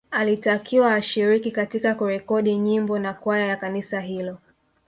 Alitakiwa ashiriki katika kurekodi nyimbo na kwaya ya kanisa hilo